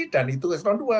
dan itu s dua